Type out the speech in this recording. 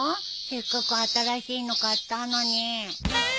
せっかく新しいの買ったのに。